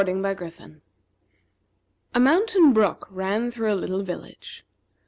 A mountain brook ran through a little village.